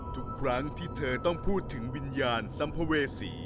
ทุกครั้งที่เธอต้องพูดถึงวิญญาณสัมภเวษี